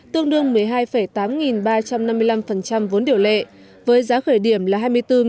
tương đương một mươi hai tám nghìn ba trăm năm mươi năm vốn điều lệ với giá khởi điểm là hai mươi bốn sáu trăm linh đồng một cổ phần